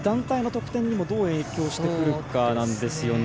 団体の得点にもどう影響してくるかなんですよね。